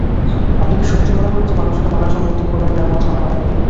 আপনি কি সত্যিই মনে করেন যে মানুষকে মারার জন্য উত্তর কোরিয়ানরা এমন ঝামেলা পাকাবে?